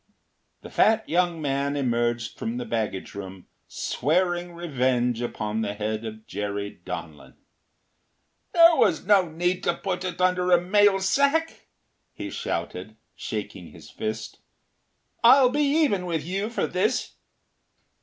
The fat young man emerged from the baggage room, swearing revenge upon the head of Jerry Donlin. “There was no need to put it under a mail sack!” he shouted, shaking his fist. “I’ll be even with you for this.